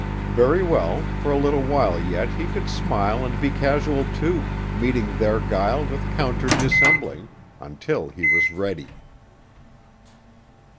Very well, for a little while yet he could smile and be casual, too, meeting their guile with counter dissembling until he was ready.